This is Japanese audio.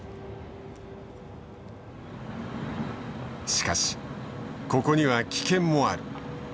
しかしここには危険もある。